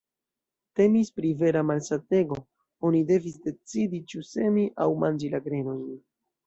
Temis pri vera malsatego: oni devis decidi ĉu semi aŭ manĝi la grenojn.